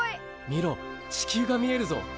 見ろ地球が見えるぞ！